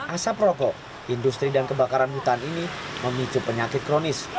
asap rokok industri dan kebakaran hutan ini memicu penyakit kronis